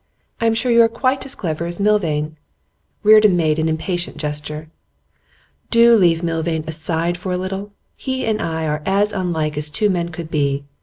I'm sure you are quite as clever as Milvain ' Reardon made an impatient gesture. 'Do leave Milvain aside for a little! He and I are as unlike as two men could be.